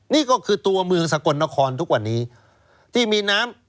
นี่ก็คือตัวเมืองสกลนครทุกวันนี้